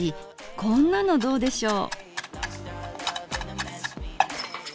こんなのどうでしょう？